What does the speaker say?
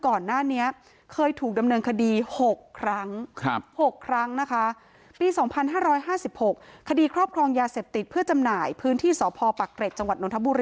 ก่อนหน้านี้เคยถูกดำเนินคดีหกครั้งครับหกครั้งนะคะ